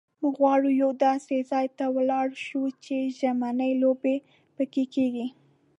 موږ غواړو یوه داسې ځای ته ولاړ شو چې ژمنۍ لوبې پکښې کېږي.